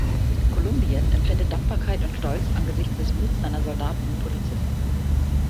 Kolumbien empfindet Dankbarkeit und Stolz angesichts des Muts seiner Soldaten und Polizisten.